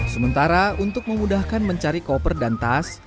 sementara untuk memudahkan mencari koper dan tas